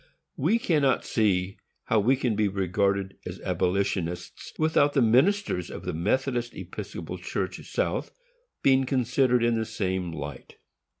We cannot see how we can be regarded as abolitionists, without the ministers of the Methodist Episcopal Church South being considered in the same light.